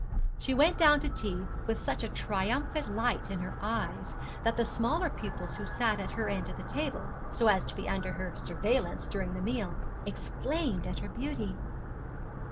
She went down to tea with such a triumphant light in her eyes that the smaller pupils who sat at her end of the table, so as to be under her surveillance during the meal, exclaimed at her beauty.